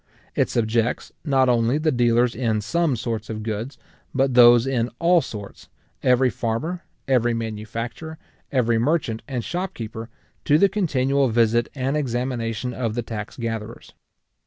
It subjects, not only the dealers in some sorts of goods, but those in all sorts, every farmer, every manufacturer, every merchant and shopkeeper, to the continual visit and examination of the tax gatherers.